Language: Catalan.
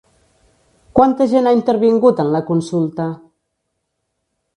Quanta gent ha intervingut en la consulta?